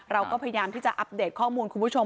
เราก็พยายามที่จะอัปเดตข้อมูลคุณผู้ชม